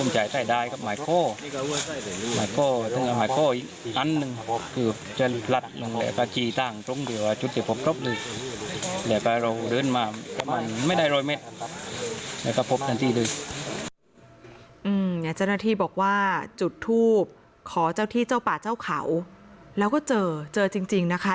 เจ้าหน้าที่บอกว่าจุดทูบขอเจ้าที่เจ้าป่าเจ้าเขาแล้วก็เจอเจอจริงนะคะ